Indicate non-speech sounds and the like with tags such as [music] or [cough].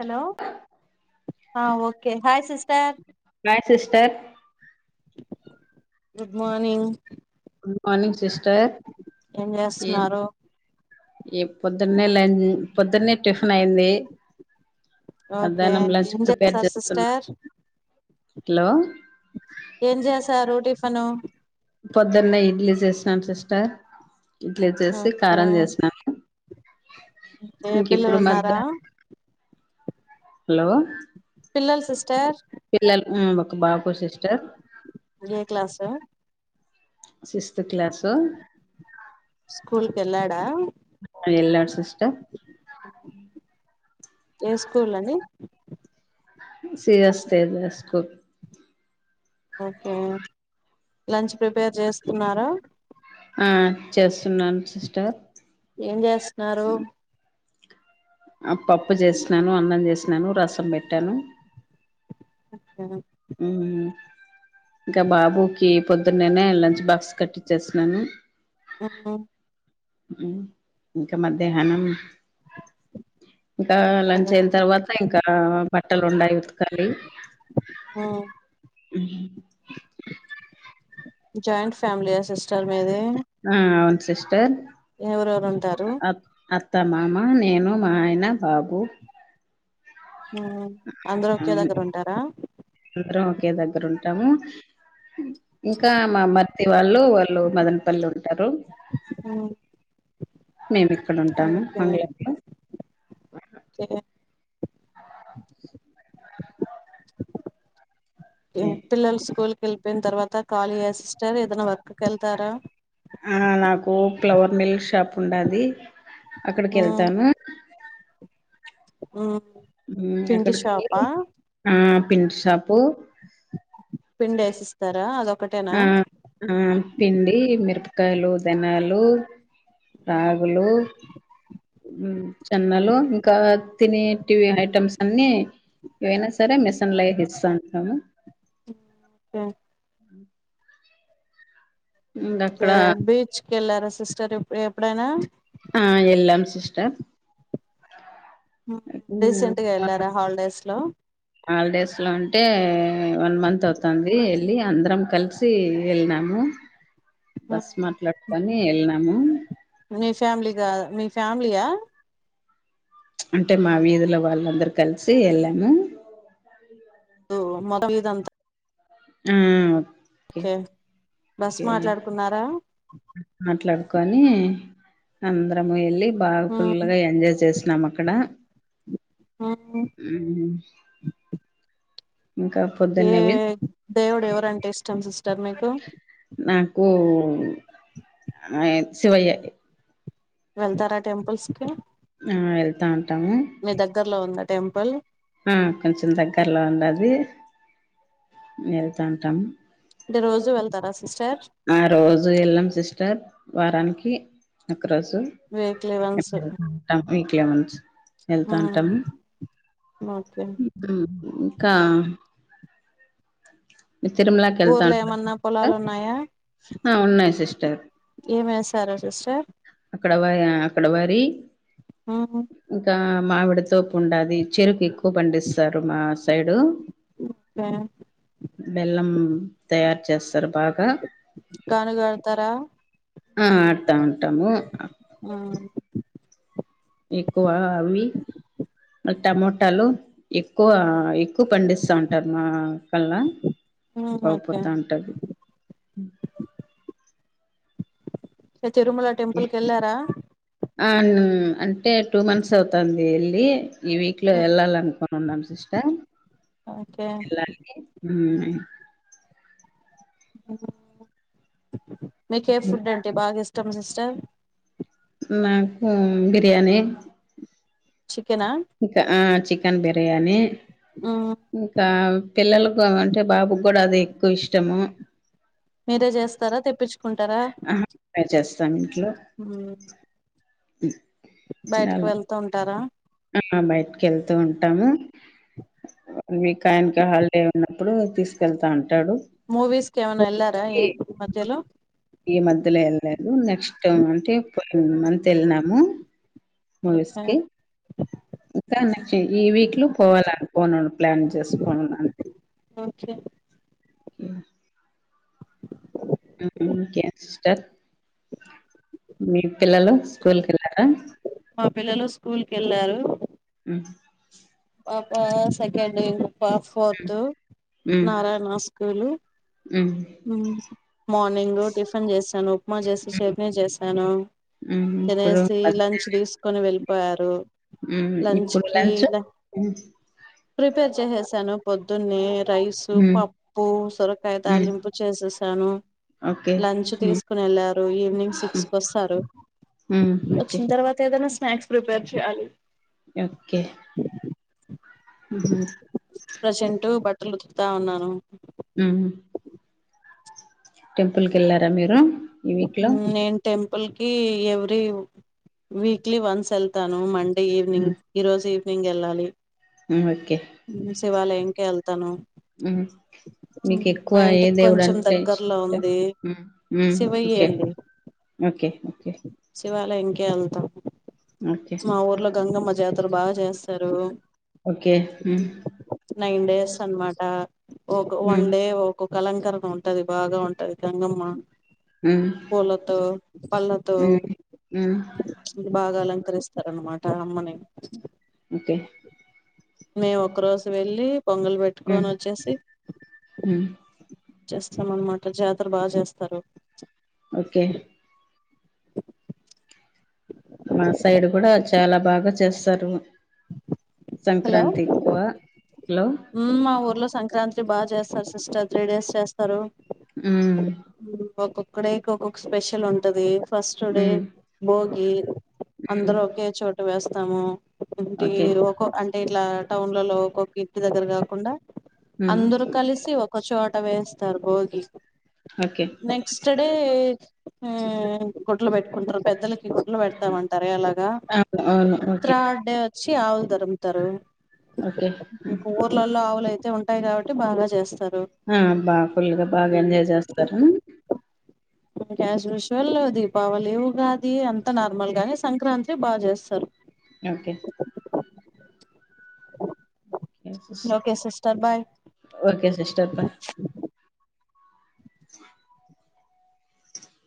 Hello ఆ okay hi sister hi sister good morning good morning sister ఏం ఎన్ చేస్తున్నారు ఇ పొద్దున్నే లంజ్ పొద్దున్నే టిఫిన్ అయింది ఓకే మధ్యాహ్నం లంచ్ ఎం ప్రిపేర్ జేస్తారు చేస్తున్నా సిస్టర్ హలో ఏం జేసారు టిఫిన్ పొద్దున్నే ఇడ్లీ చేసినాను సిస్టర్ ఇడ్లీ చేసి ఓకే కారం చేసినాను టే ఇంక ఇప్పుడు పిల్లలున్నారా మధ్య హలో పిల్లలు సిస్టర్ పిల్లలు ఉమ్ ఒక బాబు సిస్టర్ ఏ క్లాసు సిక్స్త్ క్లాసు స్కూల్ కెళ్ళాడా ఆ ఎళ్ళాడు సిస్టర్ ఏ స్కూల్ అండి C S K లర్ school okay lunch prepare చేస్తున్నారా ఆ చేస్తున్నాను సిస్టర్ ఏం జేస్తున్నారు ఆ పప్పు జేసినాను, అన్నం చేసినాను, రసం పెట్టాను ఆహ ఉ ఇంకా బాబుకి పొద్దున్నేనే లంచ్ బాక్స్ కట్టిచ్చేస్తున్నాను ఆ హు ఉ ఇంకా మధ్యాహ్నం ఇంకా లంచ్ అయిన తర్వాత ఇంకా బట్టలు ఉండాయ్ ఉతకలి ఆ ఉ జాయింట్ ఫ్యామిలీయా సిస్టర్ మీది ఆ అవును సిస్టర్ ఎవరెవరు ఉంటారు అత్తమ్మామ నేను మా ఆయన బాబు ఆ అందరూ ఓకే దగ్గర ఉంటారా అందరం ఒకే దగ్గర ఉంటాము ఇంకా మా మర్ది వాళ్ళు వాళ్ళు మదనపల్లిలో ఉంటారు ఉ మేము ఇక్కడ ఉంటాము అమీర్లో ఒకే ఒకే పిల్లలు స్కూల్కి వెళ్ళియిన తర్వాత కాళీ ఆ సిస్టర్ ఏదైనా వర్క్ కి వెళ్తారా ఆ నాకు ఫ్లవర్ మిల్ షాప్ ఉండది అక్కడికి వెళ్తాను ఉ హ్మ్. పిండి అక్కడికి షాప్ ఆ ఆ పిండ్ షాపు పిండేసిస్తారా ఆ ఆ ఆ పిండి మిరపకాయలు దాన్యాలు రాగులు జొన్నలు ఇంకా తినేటీవీ ఐటమ్స్ అన్ని ఏవైనా సరే మెషినలా తెస్తూంటాను ఓకే ఆ ఎ బీచ్కెల్లారా సిస్టర్ ఎప్పుడైనా ఆ ఎల్లాం సిస్టర్ ఆ హ్మ్. రీసెంట్గా వెళ్ళారా హాలిడేస్ లో హాలిడేస్లో అంటే వన్ మంత్ అవుతాంది వెళ్ళి అందరం కలిసి సి వెళ్ళినాము బస్ మాట్లాడ్కొని వెళ్ళినాము మీ ఫ్యామిలీగా మీ ఫ్యామిలీయా అంటే మా వీదిలో వాళ్ళందరూ కలిసి ఏళ్ళము మొదమీదంతా హుమ్ కే ఓకే బస్ కే మాట్లాడుకున్నారా మాట్లాడుకొని అందరము ఎళ్ళి బాగా ఉమ్ ఫుల్లుగా ఎంజాయ్ చేస్నం అక్కడ ఉమ్ హుమ్ ఇంకా ఏ పొద్దున్నవి దేవుడు ఎవరంటే ఇష్టం సిస్టర్ మీకు నాకు శివయ్యే వెళ్తారా టెంపుల్స్కి ఆ వెళ్తా ఉంటాము మీ దగ్గరలో ఉందా టెంపుల్ మ్ కొంచెం దగ్గరలో ఉండాది. వెళ్తాంటాం. అంటే రోజు వెళ్తారా సిస్టర్? ఆ రోజు వెళ్ళం సిస్టర్ వారానికి ఒకరోజు వీక్లీ వన్స్ ఎప్పుడు ఉంటాం వీక్ లో నుంచి మ్మ్ వెళ్తాంటం ఓకే ఇంకా మీరు తిరుమలాకి వెళ్తా ఊర్లో ఏమన్నా ఉంటరా? పొలాలు ఉన్నాయా ఆ ఉన్నాయి సిస్టర్. ఏమి ఏసారు సిస్టర్? అక్కడ వ అక్కడ వరి మ్మ్ ఇంకా మావిడితోపు ఉండాది చెరుకు ఎక్కువ పండిస్తారు మా సైడు. ప్య బెల్లం తయారు చేస్తారు బాగా. గానుగాడతార ఆ ఆడుతా ఉంటాము ఆ ఎక్కువ అవి టమాటాలు ఎక్కువ ఎక్కువ పండిస్తా ఉంటారు మా కల్ల మ్మ్ అవ్ ఓకే పోతాంటది తిరుమల టెంపుల్ కెళ్లార? అ ను అంటే టూ మంత్స్ అవుతాంది ఎళ్ళి ఈ వీక్ లో మ్మ్ ఎల్లలనుకొనున్నాం సిస్టర్ ఓకే ఎళ్ళాలి మ్ మీకు ఏ ఫుడ్ అంటే బాగా ఇష్టం సిస్టర్ నాకు బిర్యానీ చికెనా? ఇంక ఆ చికెన్ బిర్యానీ. ఆ ఇంకా పిల్లలకు అంటే బాబుకి కూడ అదే ఎక్కువ ఇష్టము. మీరే చేస్తారా తెప్పిచ్చుకుంటార? ఆహా మేం చేస్తాం ఇంట్లో బయటకి వెళ్తూ ఉంటార? ఆ బయటకి వెళ్తూ ఉంటాము. వన్ వీక్ ఆయనకి హాలిడే ఉన్నప్పుడు తీసుకెళ్తాంటాడు. మూవీస్ కి ఏమన్న ఎల్లారా ఏ ఈ మధ్యలో ఈ మధ్యలో ఎళ్లేదు నెక్స్ట్ అంటే పోయిన మంత్ ఎళ్ళినాము మూవీస్ కి ఇకనుంచి ఈ వీక్ లో పోవాలనుకోని ప్లాన్ చేసుకోనున్నాను. ఓకె మ్ మ్మ్ ఇంకేం సిస్టర్ మీ పిల్లలు స్కూల్ కి ఎళ్లార? మా పిల్లలు స్కూల్కెళ్ళారు. మ్ పాప సెకండ్ ఇయర్ పాస్ పోర్త్ మ్ నారాయణ స్కూలు మ్ మ్ మార్నింగ్ టిఫిన్ చేసాను ఉప్మా చేసి చట్నీ చేశాను. మ్ ఇప్పుడు తినేసి లంచ్ తీసుకొని వెళ్ళిపోయారు. లంచ్ కి ల ఉ ప్రిపేర్ చేసేసాను పొద్దునే రైసు మ్ పప్పు సొరకాయ మ్ తాలింపు చేసేసాను ఓకే లంచ్ మ్ తీసుకుని వెళ్ళారు ఈవినింగ్ సిక్స్కి వస్తారు మ్ ఓకే వచ్చిన తర్వాత ఏదైన స్నాక్స్ ప్రిపేర్ చెయ్యాలి ఒకే ఉహు ప్రజెంట్ బట్టలు ఉతుకుతా ఉన్నాను ఉ టెంపుల్కి వెళ్లారా మీరు ఈ వీక్ లో నేను టెంపుల్ కి ఎవ్రీ వీక్లీ వన్స్ [unintelligible] తాను మండే ఈవినింగ్ మ్ ఈ రోజు ఈవినింగ్ వెళ్ళాలి ఓకే శివాలయం కి వెళ్తాను మ్ మీకు ఎక్కువ మా ఏ ఇంటికి దేవుడు కొంచెం అంటే దగ్గరలో ఇష్టం ఉంది శివయ్య ఓకే ఓకే ఓకే శివాలయంకి వెళ్తాం ఓకే మా ఊర్లో గంగమ్మ జాతర బాగ చేస్తారు ఒకే నైన్ డేస్ అనమాట ఒక వన్ మ్ డే ఒక అలంకరణ ఉంటది బాగా ఉంటది గంగమ్మ మ్ పూలతో పల్ల మ్ మ్ బాగ అలంకరిస్తారనమాట అమ్మని ఓకే మేము ఒక్క రోజు వెళ్ళి పొంగలి పెట్టుకొని వచ్చేసి హు చేస్తాం అనమాట జాతర బాగా చేస్తారు ఒకే మా సైడ్ కూడ చాల బాగ చేస్తారు హలో సంక్రాంతి హలో మా ఊర్లో సంక్రాంతి బాగ చేస్తారు సిస్టర్ త్రీ డేస్ చేస్తారు ఉ ఒక్కొక్క డేకి ఒక్కొక్క స్పెషల్ ఉంటది ఫస్ట్ డే ఉమ్ బోగి అందరం ఒకే చోట వేస్తాము ఏంటి ఓకే అంటే ఇట్ల టౌన్లలో ఒక్కొక్క ఇంటి దగ్గర కాకుండ ఉమ్ అందరు కలిసి ఒకచోట వేస్తారు భోగి ఒకే నెక్స్ట్ డే గుడ్లు పెట్టుకుంటారు పెద్దలకి గుడ్లు పెడతాము తర [unintelligible] ఎలాగా అవును అవును ఓకే థర్డ్ డే చ్చి ఆవులు తరుముతారు ఓకే ఇంట్లలో ఆవులు అయితే ఉంటాయి కాబట్టి బాగ చేస్తారు ఆ బాగ ఫుల్గా బ ఎంజాయ్ చేస్తారు అసుశువాల్ దీపావళివు ఉగాది అంత నార్మల్ గా సంక్రాంతి బాగ చేస్తారు ఒకే అ [unintelligible] okay sister bye okay sister bye [inaudible]